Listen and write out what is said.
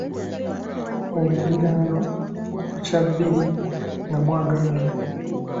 Omuliraano gwokya bbiri nga mwagalana.